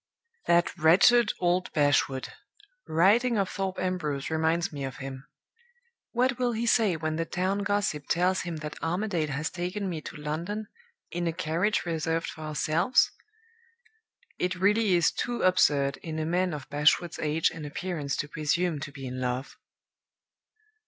"That wretched old Bashwood! Writing of Thorpe Ambrose reminds me of him. What will he say when the town gossip tells him that Armadale has taken me to London, in a carriage reserved for ourselves? It really is too absurd in a man of Bashwood's age and appearance to presume to be in love!...."